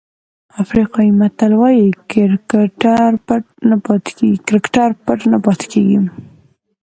افریقایي متل وایي کرکټر پټ نه پاتې کېږي.